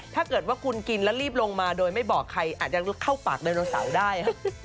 ถ้าเกิดว่าคุณกินแล้วรีบลงมาโดยไม่บอกใครอาจจะเข้าปากไดโนเสาร์ได้